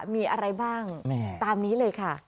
มีอะไรบ้างตามนี้เลยค่ะ